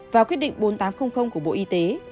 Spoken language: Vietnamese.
và quyết định bốn nghìn tám trăm linh của bộ y tế